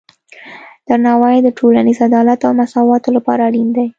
درناوی د ټولنیز عدالت او مساواتو لپاره اړین دی.